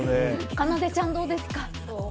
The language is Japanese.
かなでちゃん、どうですか。